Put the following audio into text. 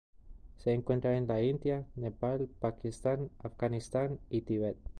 Se encuentra en la India, Nepal, Pakistán, Afganistán y Tíbet.